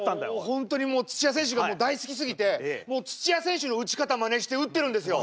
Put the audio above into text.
本当に土谷選手が大好きすぎてもう土谷選手の打ち方まねして打ってるんですよ。